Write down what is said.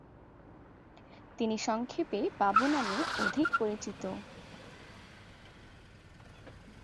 তিনি সংক্ষেপে বাবু নামে অধিক পরিচিত।